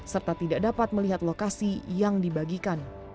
serta tidak dapat melihat lokasi yang dibagikan